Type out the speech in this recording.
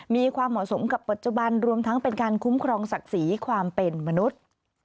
มีความเหมาะสมกับปัจจุบันรวมทั้งเป็นการคุ้มครองศักดิ์ศรีความเป็นมนุษย์